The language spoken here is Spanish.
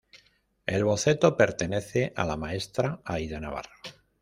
El boceto pertenece a la Maestra Aída Navarro.